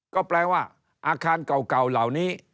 ก็แปลว่าอาคารเก่าเหล่านี้